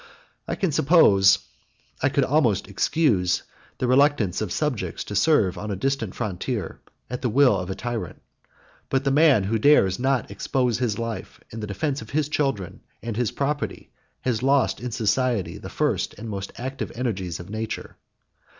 I can suppose, I could almost excuse, the reluctance of subjects to serve on a distant frontier, at the will of a tyrant; but the man who dares not expose his life in the defence of his children and his property, has lost in society the first and most active energies of nature.